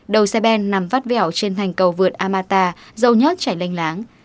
đầu xe ben nằm vắt vẻo trên thành cầu vượt amata dầu nhót chảy lanh láng